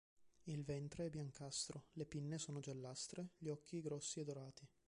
Il ventre è biancastro, le pinne sono giallastre, gli occhi grossi e dorati.